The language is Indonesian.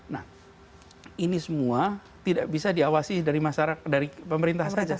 nah ini semua tidak bisa diawasi dari pemerintah saja